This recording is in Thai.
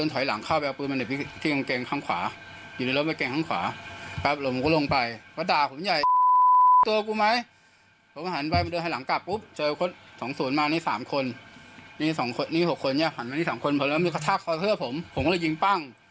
ทำอยู่กระทักเพื่อผมผมก็เลยยิงปั้ง